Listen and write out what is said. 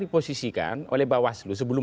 diposisikan oleh bawaslu sebelum